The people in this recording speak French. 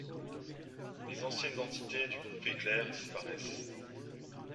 Les anciennes entités du groupe Éclair disparaissent.